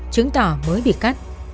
chứng tỏ mới bị cắt